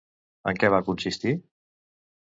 En què va consistir?